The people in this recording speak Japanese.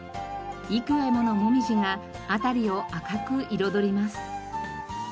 幾重ものモミジが辺りを赤く彩ります。